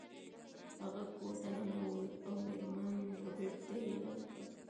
هغه کور ته ننوت او میرمن ربیټ ته یې غږ کړ